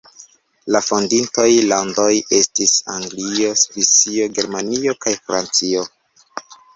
La fondintoj landoj estis Anglio, Svisio, Germanio kaj Francio.